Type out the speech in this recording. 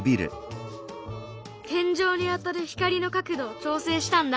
天井に当たる光の角度を調整したんだ。